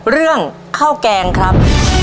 เรื่องข้าวแกงครับ